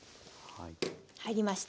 入りました。